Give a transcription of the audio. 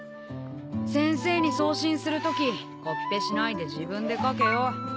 先生に送信するときコピペしないで自分で書けよ。